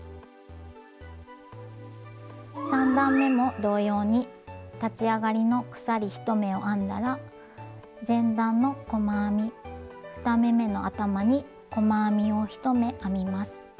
３段めも同様に立ち上がりの鎖１目を編んだら前段の細編み２目めの頭に細編みを１目編みます。